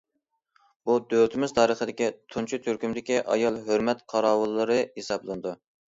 بۇ دۆلىتىمىز تارىخىدىكى تۇنجى تۈركۈمدىكى ئايال ھۆرمەت قاراۋۇللىرى ھېسابلىنىدۇ.